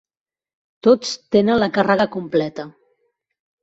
Tots tenen la càrrega completa.